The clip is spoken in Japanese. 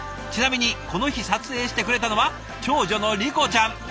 ちなみにこの日撮影してくれたのは長女の理心ちゃん。